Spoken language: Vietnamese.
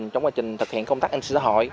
trong quá trình thực hiện công tác an sinh xã hội